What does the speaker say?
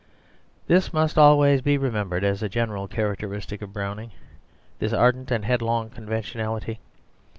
This must always be remembered as a general characteristic of Browning, this ardent and headlong conventionality.